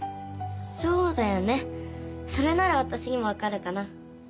そうだよねそれならわたしにもわかるかな。